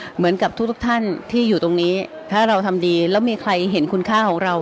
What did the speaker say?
เหมือนกับทุกทุกท่านที่อยู่ตรงนี้ถ้าเราทำดีแล้วมีใครเห็นคุณค่าของเรา